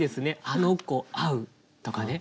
「あの子」「会う」とかね。